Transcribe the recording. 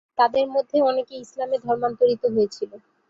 তাদের মধ্যে অনেকে ইসলামে ধর্মান্তরিত হয়েছিল।